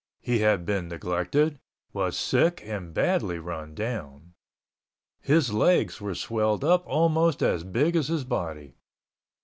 He had been neglected, was sick and badly run down. His legs were swelled up almost as big as his body.